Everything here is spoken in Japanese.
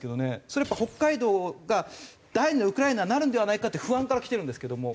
それはやっぱ北海道が第２のウクライナになるんではないかっていう不安からきてるんですけども。